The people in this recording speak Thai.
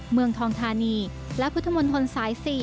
เมืองทองธานีและพุทธมนตรสาย๔